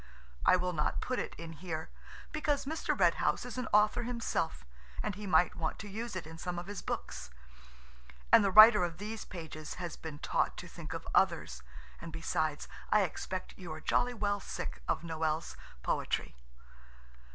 I will not put it in here, because Mr. Red House is an author himself, and he might want to use it in some of his books. And the writer of these pages has been taught to think of others, and besides I expect you are jolly well sick of Noël's poetry.